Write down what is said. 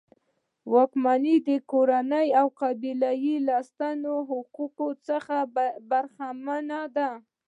واکمنې کورنۍ او قبیلې له سنتي حقونو څخه برخمنې دي.